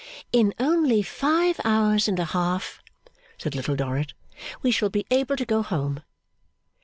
'In only five hours and a half,' said Little Dorrit, 'we shall be able to go home.